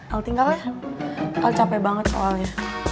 el tinggal ya el capek banget soalnya